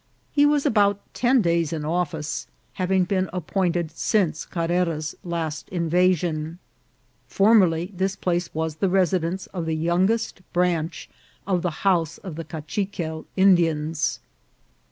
He was about ten days in office, having been appointed since Carrera's last invasion. Formerly this place was the residence of the youngest branch of the house of the Kachiquel In dians.